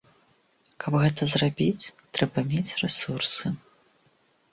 Каб гэта зрабіць, трэба мець рэсурсы.